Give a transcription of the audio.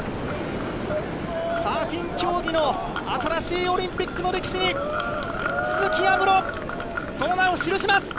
サーフィン競技の新しいオリンピックの歴史に、都筑有夢路、その名を記します。